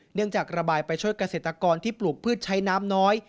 จากระบายไปช่วยเกษตรกรที่ปลูกพืชใช้น้ำน้อย